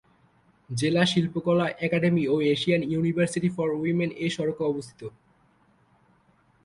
জেলা শিল্পকলা একাডেমি ও এশিয়ান ইউনিভার্সিটি ফর উইমেন এ সড়কে অবস্থিত।